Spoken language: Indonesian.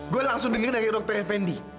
gue langsung denger dari dokter efendi